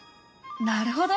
なるほど！